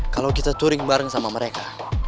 kalau kita touring bareng sama mereka